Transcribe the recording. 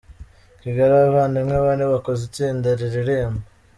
Kigali Abavandimwe bane bakoze itsinda riririmba